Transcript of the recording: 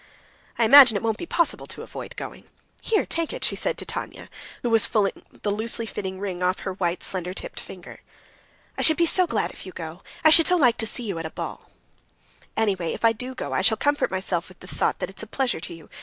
"I imagine it won't be possible to avoid going. Here, take it," she said to Tanya, who was pulling the loosely fitting ring off her white, slender tipped finger. "I shall be so glad if you go. I should so like to see you at a ball." "Anyway, if I do go, I shall comfort myself with the thought that it's a pleasure to you